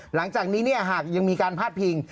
หลังจากนี้หากยังมีการพาดพิง